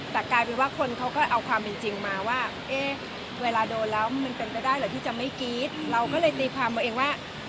แต่กลายเป็นลักษณะว่าคนเขาเอาความเป็นจริงมาว่า